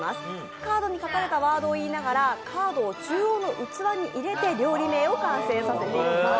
カードに書かれたワードを言いながらカードの中央の器に入れて、料理名を完成させていきます。